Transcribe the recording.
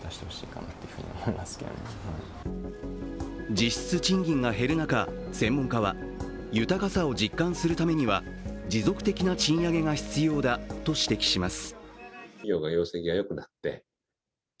実質賃金が減る中、専門家は豊かさを実感するためには持続的な賃上げが必要だと指摘します。